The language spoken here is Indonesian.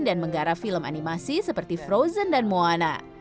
dan menggara film animasi seperti frozen dan moana